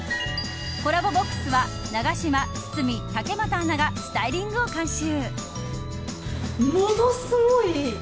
コラボボックスは永島、堤竹俣アナがスタイリングを監修。